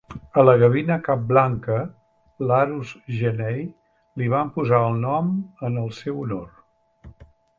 A la gavina capblanca "Larus genei" li van posar el nom en el seu honor.